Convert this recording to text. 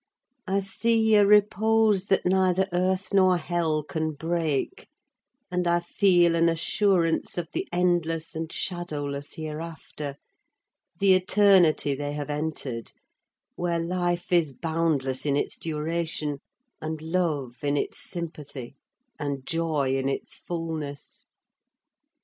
I see a repose that neither earth nor hell can break, and I feel an assurance of the endless and shadowless hereafter—the Eternity they have entered—where life is boundless in its duration, and love in its sympathy, and joy in its fulness.